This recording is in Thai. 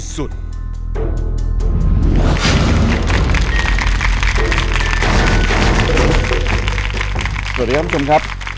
สวัสดีครับคุณผู้ชมครับ